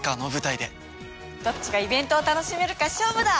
どっちがイベントを楽しめるか勝負だ！